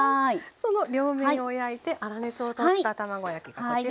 その両面を焼いて粗熱を取った卵焼きがこちらです。